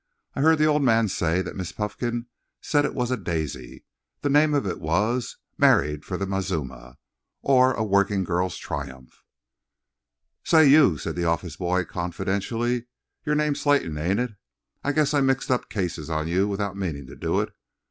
"I heard the old man say that Miss Puffkin said it was a daisy. The name of it was, 'Married for the Mazuma, or a Working Girl's Triumph.'" "Say, you!" said the office boy confidentially, "your name's Slayton, ain't it? I guess I mixed cases on you without meanin' to do it.